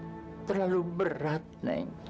neng nona terlalu berat neng